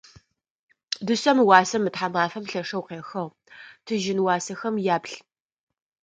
Дышъэм ыуасэ мы тхьамафэм лъэшэу къехыгъ, тыжьын уасэхэм яплъ.